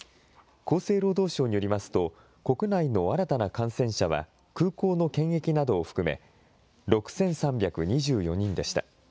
厚生労働省によりますと、国内の新たな感染者は空港の検疫などを含め、６３２４人でした。